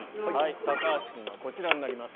高橋くんはこちらになります。